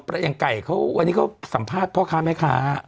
อย่างไก่เขาวันนี้เขาสัมภาษณ์พ่อค้าแม่ค้า